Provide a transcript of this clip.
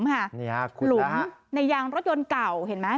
หลุมในยางรถยนต์เก่าเห็นไหม